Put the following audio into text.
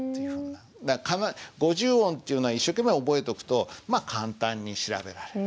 五十音っていうのは一生懸命覚えとくと簡単に調べられる。